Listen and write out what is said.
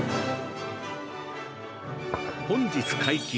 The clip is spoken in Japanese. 「本日解禁！